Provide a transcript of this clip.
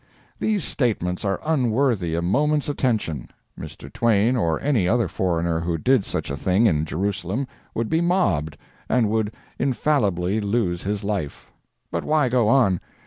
These statements are unworthy a moment's attention. Mr. Twain or any other foreigner who did such a thing in Jerusalem would be mobbed, and would infallibly lose his life. But why go on?